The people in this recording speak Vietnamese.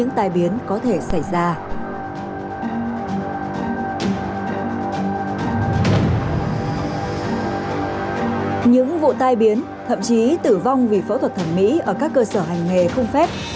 những vụ tai biến thậm chí tử vong vì phẫu thuật thẩm mỹ ở các cơ sở hành nghề không phép